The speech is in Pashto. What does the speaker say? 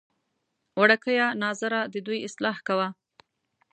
وړکیه ناظره ددوی اصلاح کوه.